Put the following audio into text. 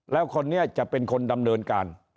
แล้วคนนี้จะเป็นคนดำเนินการ